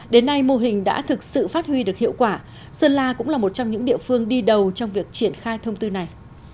đến nay mô hình đã thực sự phát huy được hiệu quả sơn la cũng là một trong những địa phương đi đầu trong việc triển khai thông tư này